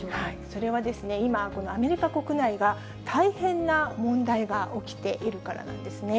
それは、今、アメリカ国内が大変な問題が起きているからなんですね。